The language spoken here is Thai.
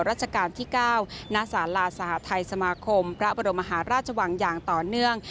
ราชการที่๙ณศาลาสหทัยสมาคมพระบรมหาราชวังอย่างต่อเนื่อง